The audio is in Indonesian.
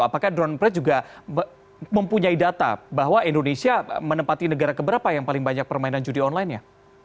apakah drone emprit juga mempunyai data bahwa indonesia menempati negara keberapa yang paling banyak permainan judi online nya